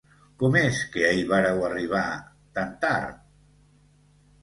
Com és que ahir vàreu arribar tan tard?